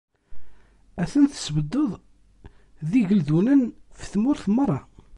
Ad ten-tesbeddeḍ d igeldunen ɣef tmurt merra.